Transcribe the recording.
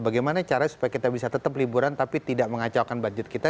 bagaimana cara supaya kita bisa tetap liburan tapi tidak mengacaukan budget kita